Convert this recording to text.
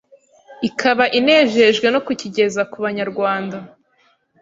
ikaba inejejwe no kukigeza ku Banyarwanda